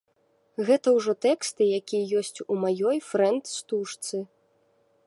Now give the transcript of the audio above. Гэта ўжо тэксты, якія ёсць у маёй фрэнд-стужцы.